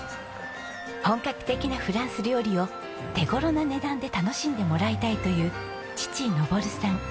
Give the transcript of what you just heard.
本格的なフランス料理を手頃な値段で楽しんでもらいたいという父登さん。